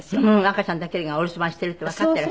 赤ちゃんだけがお留守番してるってわかっていらしたので。